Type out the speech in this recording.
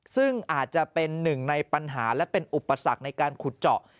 ซึ่งอาจจะเป็นหนึ่งในปัญหาและเป็นอุปสรรคในการขุดเจาะ